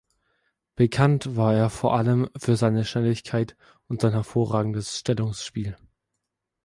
Bekannt war er vor allem für seine Schnelligkeit und sein hervorragendes Stellungsspiel.